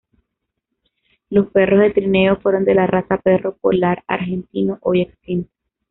Los perros de trineo fueron de la raza perro polar argentino, hoy extinta.